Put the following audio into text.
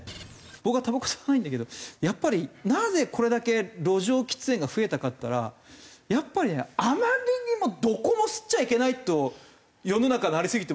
僕はたばこ吸わないんだけどやっぱりなぜこれだけ路上喫煙が増えたかっていったらやっぱりねあまりにもどこも吸っちゃいけないと世の中なりすぎてますでしょ。